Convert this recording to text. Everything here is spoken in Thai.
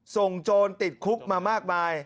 โจรติดคุกมามากมาย